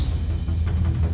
tapi bukan itu alasan yang bagus